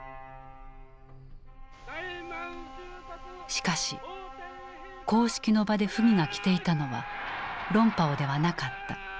しかし公式の場で溥儀が着ていたのは龍袍ではなかった。